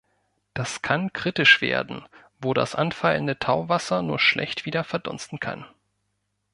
Das kann kritisch werden, wo das anfallende Tauwasser nur schlecht wieder verdunsten kann.